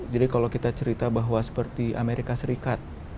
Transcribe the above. jadi kalau kita cerita bahwa seperti amerika serikat